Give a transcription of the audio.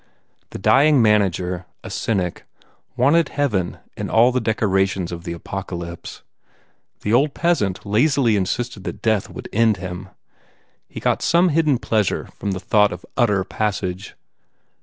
The dying manager, a cynic, wanted Heaven in all the dec orations of the Apocalypse. The old peasant lazily insisted that death would end him. He got some hidden pleasure from the thought of utter passage.